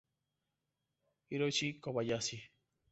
Hiroshi Kobayashi